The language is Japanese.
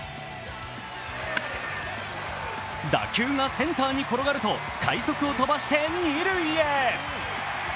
打球がセンターに転がると快足を飛ばして二塁へ。